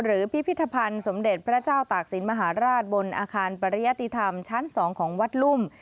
พิพิธภัณฑ์สมเด็จพระเจ้าตากศิลป์มหาราชบนอาคารปริยติธรรมชั้น๒ของวัดลุ่ม